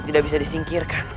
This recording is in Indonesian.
tidak bisa disingkirkan